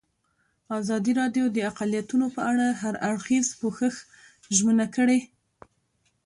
ازادي راډیو د اقلیتونه په اړه د هر اړخیز پوښښ ژمنه کړې.